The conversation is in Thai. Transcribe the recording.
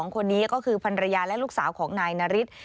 คนนี้ก็คือภรรยาและลูกสาวของนายนาริส